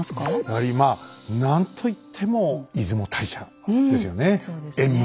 やはりまあ何といっても出雲大社ですよね。